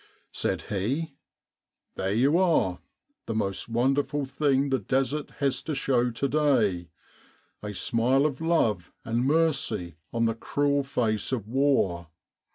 Said he: "There you are! The most wonderful thing the Desert has to show to day a smile of love and mercy on the cruel face of war